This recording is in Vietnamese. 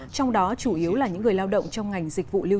trong đó chủ yếu là những người lao động trong ngành dịch vụ